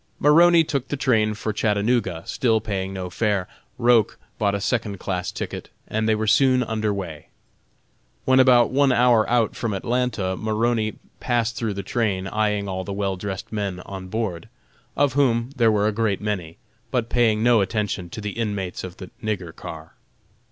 Maroney took the train for Chattanooga, still paying no fare. Roch bought a second class ticket and they were soon under way. When about one hour out from Atlanta Maroney passed through the train eyeing all the well dressed men on board, of whom there were a great many, but paying no attention to the inmates of the "nigger car."